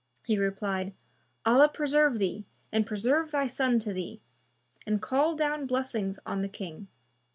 He replied, "Allah preserve thee! and preserve thy son to thee!" and called down blessings on the King.